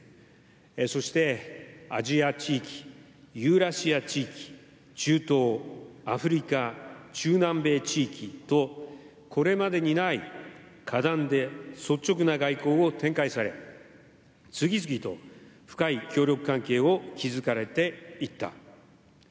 そしてアジア地域ユーラシア地域中東、アフリカ、中南米地域とこれまでにない果断で率直な外交を展開され次々と深い協力関係を築かれていった。